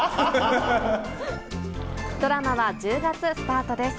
ドラマは１０月スタートです。